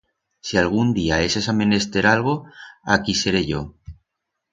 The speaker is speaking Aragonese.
Si algún día heses a menester algo, aquí seré yo.